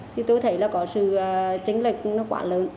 thì tôi thấy là có sự chính lực nó quả lượng